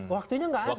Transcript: waktunya nggak ada